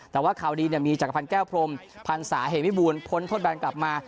แต่ว่าข่าวดีเนี่ยมีจักรพันธุ์แก้วพรมพันธุ์สาเหมภิบูรณ์พ้นทดแบนกลับมา